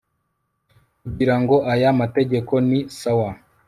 kugirango aya mategeko ni sawa